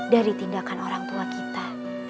dari tindakan orang tua kita